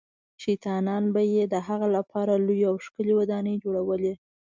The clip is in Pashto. شیطانان به یې د هغه لپاره لویې او ښکلې ودانۍ جوړولې.